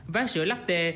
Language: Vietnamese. ván sữa latte